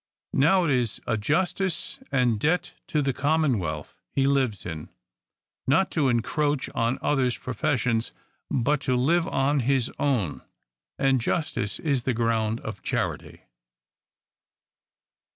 Now it is a justice and debt to the common wealth he lives in, not to encroach on others' professions, but to live on his own. And justice is the ground of charity.